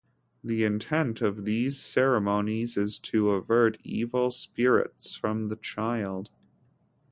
The intent of these ceremonies is to avert evil spirits from the child.